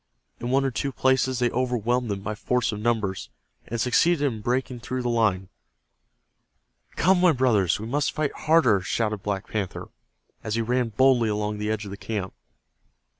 In one or two places they overwhelmed them by force of numbers, and succeeded in breaking through the line. "Come, my brothers, we must fight harder!" shouted Black Panther, as he ran boldly along the edge of the camp.